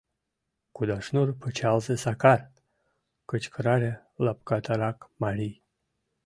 — Кудашнур пычалзе Сакар! — кычкырале лапкатарак марий.